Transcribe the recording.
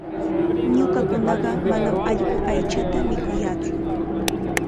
Ñuqakunaqa manam allqu aychata mikuyaatsu.